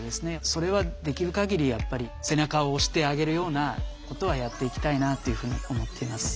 それはできる限りやっぱり背中を押してあげるようなことはやっていきたいなというふうに思っています。